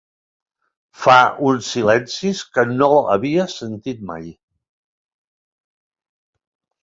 Fa uns silencis que no havia sentit mai.